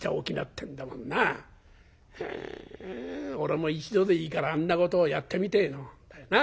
へえ俺も一度でいいからあんなことをやってみてえもんだよな。